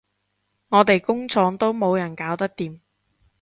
我哋工廠都冇人搞得掂